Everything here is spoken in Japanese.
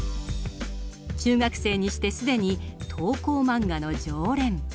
中学生にして既に投稿マンガの常連。